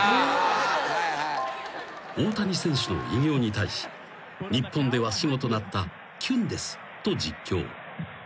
［大谷選手の偉業に対し日本では死語となった「キュンデス」と実況］